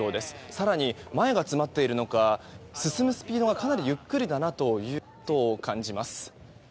更に、前が詰まっているのか進むスピードがかなりゆっくりだなということを感じます。